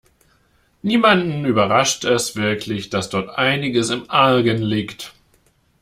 Niemanden überrascht es wirklich, dass dort einiges im Argen liegt.